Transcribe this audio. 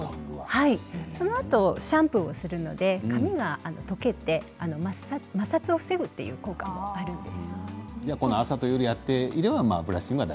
そのあとシャンプーもするので髪がとけて、摩擦を防ぐという効果があります。